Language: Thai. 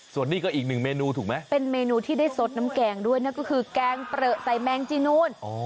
ส่วนนี้ก็อีกหนึ่งเมนูถูกไหมเป็นเมนูที่ได้สดน้ำแกงด้วยนั่นก็คือแกงเปลือใส่แมงจีนูน